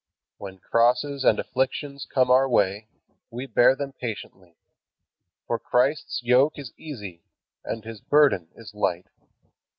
When crosses and afflictions come our way, we bear them patiently. "For Christ's yoke is easy, and His burden is light."